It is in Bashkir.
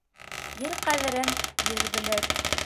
Ир ҡәҙерен ир белер.